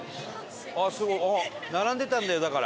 すごい並んでたんだよだから。